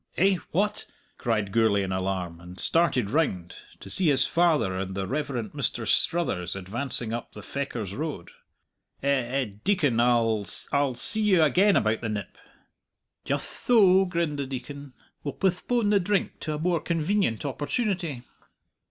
"Eh? what?" cried Gourlay in alarm, and started round, to see his father and the Rev. Mr. Struthers advancing up the Fechars Road. "Eh eh Deacon I I'll see you again about the nip." "Jutht tho," grinned the Deacon. "We'll postpone the drink to a more convenient opportunity."